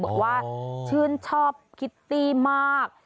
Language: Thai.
บอกว่าชื่นชอบคิตตี้มาก